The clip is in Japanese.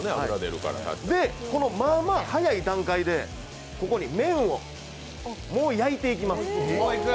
このまあまあ早い段階でここに麺をもう焼いていきます。